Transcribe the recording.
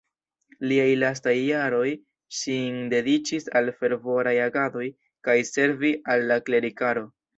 Liaj lastaj jaroj sin dediĉis al fervoraj agadoj kaj servi al la klerikaro.